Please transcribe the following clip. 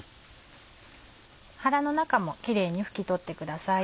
腹の中もキレイに拭き取ってください。